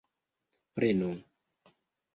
Prenu!